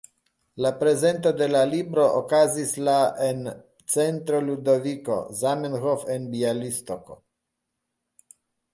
La prezento de la libro okazis la en Centro Ludoviko Zamenhof en Bjalistoko.